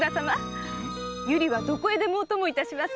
百合はどこへでもお供いたしますわ。